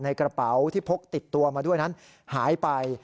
กระเป๋าที่พกติดตัวมาด้วยนั้นหายไป